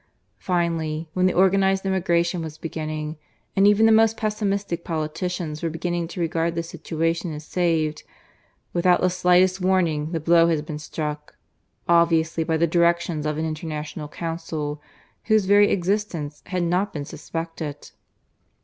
Finally, when the organized emigration was beginning, and even the most pessimistic politicians were beginning to regard the situation as saved, without the slightest warning the blow had been struck, obviously by the directions of an international council whose very existence had not been suspected.